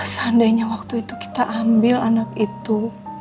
seandainya waktu itu kita ambil anak itu